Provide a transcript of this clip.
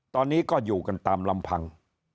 ตอนนี้ก็อยู่กันตามลำพัง